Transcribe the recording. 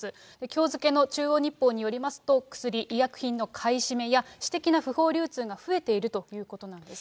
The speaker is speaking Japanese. きょう付けの中央日報によりますと、薬、医薬品の買い占めや私的な不法流通が増えているということなんです。